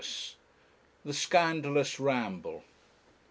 THE SCANDALOUS RAMBLE.